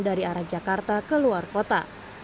dari arah jakarta ke luar kota